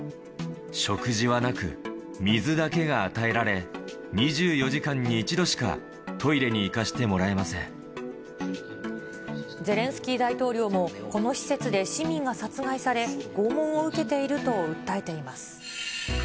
食事はなく、水だけが与えられ、２４時間に１度しか、ゼレンスキー大統領も、この施設で市民が殺害され、拷問を受けていると訴えています。